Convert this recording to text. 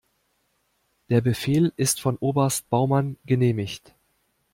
Der Befehl ist von Oberst Baumann genehmigt.